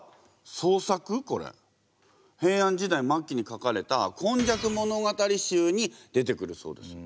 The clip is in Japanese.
平安時代末期に書かれた「今昔物語集」に出てくるそうですよ。